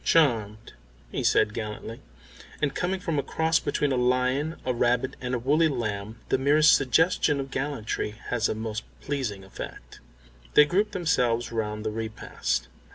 "Charmed," he said gallantly, and coming from a cross between a lion, a rabbit, and a woolly lamb the merest suggestion of gallantry has a most pleasing effect. They grouped themselves round the repast.